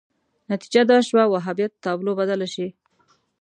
نتیجه دا شوه وهابیت تابو بدله شي